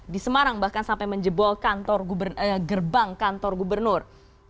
di semarang bahkan sampai menjebol gerbang kantor gubernur